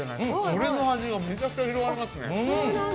それの味がめちゃくちゃ広がりますね。